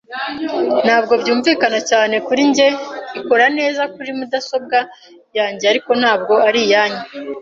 Ntabwo byumvikana cyane kuri njye ikora neza kuri mudasobwa yanjye, ariko ntabwo ari iyanyu.